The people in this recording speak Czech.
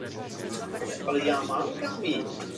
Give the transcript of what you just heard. Byly to poslední postavené britské křižníky.